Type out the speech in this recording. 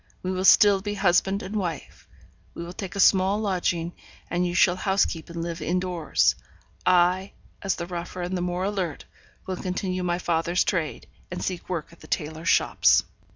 We will still be husband and wife; we will take a small lodging, and you shall house keep and live in doors. I, as the rougher and the more alert, will continue my father's trade, and seek work at the tailors' shops.'